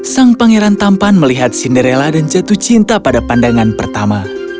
sang pangeran tampan melihat cinderella dan jatuh cinta pada pandangan pertama